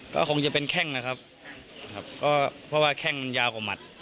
ก็คงจะเป็นแข้งนะครับเพราะว่าแข้งยาวกว่าหมัด